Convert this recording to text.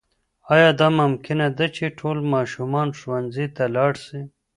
آیا دا ممکنه ده چې ټول ماشومان ښوونځي ته ولاړ سي؟